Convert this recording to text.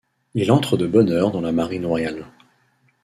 Il entre de bonne heure dans la marine royale.